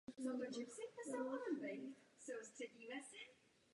Stal se také zástupcem Polska na konferenci v Tallinnu.